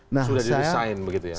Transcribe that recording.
sudah disesain begitu ya